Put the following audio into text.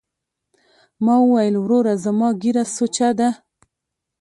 ما وويل وروره زما ږيره سوچه ده.